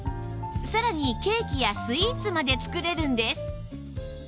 さらにケーキやスイーツまで作れるんです